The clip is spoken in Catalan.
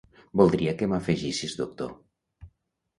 Voldria que m'afegissis doctor.